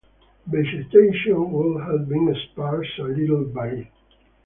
Vegetation would have been sparse and little varied.